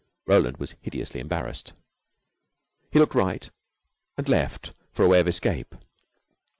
Roland was hideously embarrassed. He looked right and left for a way of escape.